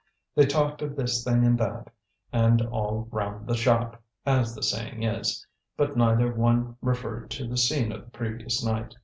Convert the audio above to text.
They talked of this thing and that, and all round the shop as the saying is but neither one referred to the scene of the previous night.